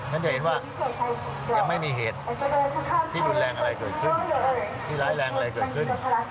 ฉันจะเห็นว่ายังไม่มีเหตุที่รุนแรงอะไรเกิดขึ้นที่ร้ายแรงอะไรเกิดขึ้น